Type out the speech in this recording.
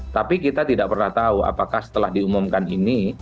tapi kita tidak pernah tahu apakah setelah diumumkan ini